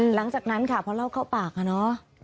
หลังจากนั้นค่ะพอเล่าเข้าปากอะเนาะ